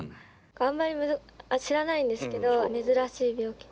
あんまり知らないんですけど珍しい病気。